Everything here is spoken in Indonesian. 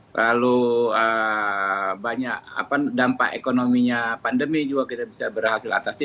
lalu banyak dampak ekonominya pandemi juga kita bisa berhasil atasi